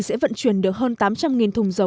sẽ vận chuyển được hơn tám trăm linh thùng dầu